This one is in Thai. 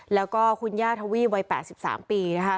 และคุณย่าทวิไว้๘๓ปี